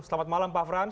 selamat malam pak frans